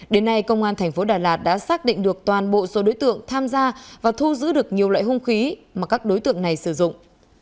đến nay công an tp đà lạt đã xác định được toàn bộ số đối tượng tham gia và thu giữ được nhiều loại hôn khi mà các đối tượng này sử dụng